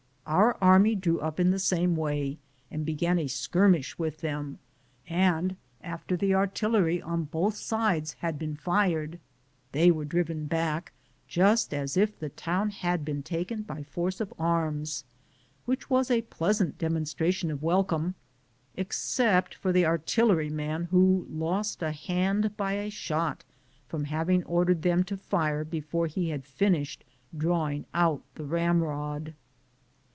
Our army drew up in the same way and began a skirmish with them, and after the artillery on both sides had been fired they were driven back, just as if the town had been taken by force of arms, which was a pleasant demonstration of welcome. ligirized I:, G00gk' THE JOURNEY OP CORONADO except for the artilleryman who lost a hand by a shot, from having ordered them to fire before he had finished drawing out the ram rod.